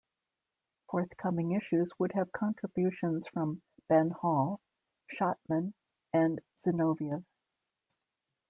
Forthcoming issues would have contributions from Ben Hall, Shachtman, and Zinoviev.